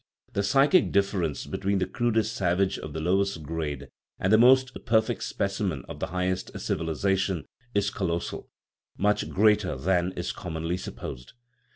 The psychic difference between the crudest savage of the lowest grade and the most perfect specimen of the highest civ ilization is colossal much greater than is commonly supposed.